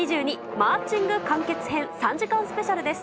マーチング完結編３時間スペシャルです。